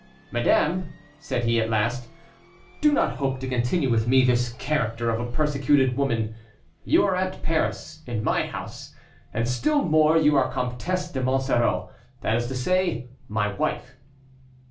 "Madame," said he, at last, "do not hope to continue with me this character of a persecuted woman; you are at Paris, in my house, and, still more, you are Comtesse de Monsoreau, that is to say, my Wife.